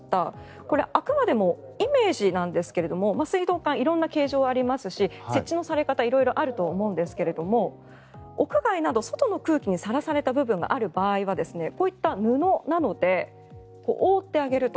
これ、あくまでもイメージですが水道管、色んな形状ありますし設置のされ方も色々あると思いますが屋外など外の空気にさらされた部分がある場合はこういった布などで覆ってあげると。